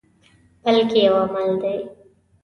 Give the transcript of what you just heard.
بلکې یو عمل دی.